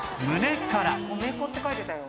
「米粉って書いてたよ」